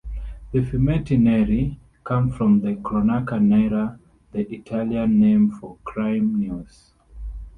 The "Fumetti neri" name comes from "cronaca nera", the Italian name for crime news.